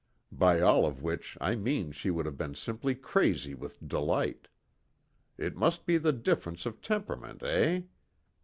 By all of which I mean she would have been simply crazy with delight. It must be the difference of temperament, eh?"